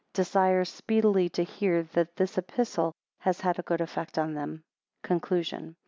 Desires speedily to hear that this Epistle has had a good effect upon them. 4 Conclusion.